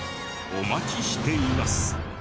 お待ちしています。